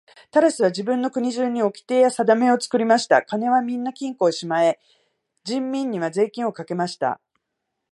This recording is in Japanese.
タラスは自分の国中におきてやさだめを作りました。金はみんな金庫へしまい、人民には税金をかけました。